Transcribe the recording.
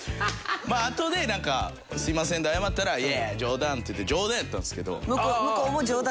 まああとでなんか「すいません」って謝ったら「いやいや冗談」って言って冗談やったんですけど。